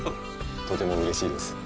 とても嬉しいです。